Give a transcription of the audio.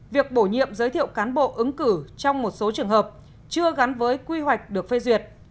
việc bổ nhiệm giới thiệu cán bộ ứng cử trong một số trường hợp chưa gắn với quy hoạch được phê duyệt